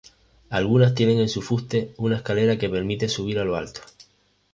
Algunas tienen en su fuste una escalera que permite subir a lo alto.